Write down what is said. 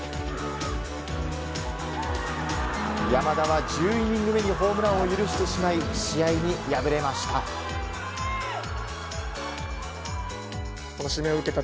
山田は１０イニング目にホームランを許してしまい試合に敗れました。